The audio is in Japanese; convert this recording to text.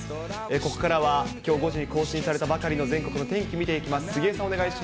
ここからは、きょう５時に更新されたばかりの全国の天気、見ていきます。